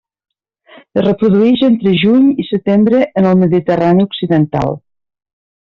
Es reprodueix entre juny i setembre en el Mediterrani occidental.